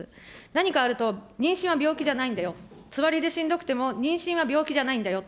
何かあると、妊娠は病気じゃないんだよ、つわりでしんどくても妊娠は病気じゃないんだよ。